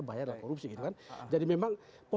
bahaya adalah korupsi jadi memang